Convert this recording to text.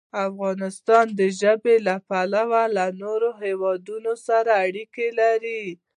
افغانستان د ژبې له پلوه له نورو هېوادونو سره اړیکې لري.